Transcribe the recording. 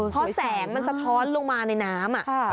เพราะแสงมันสะท้อนลงมาในน้ำ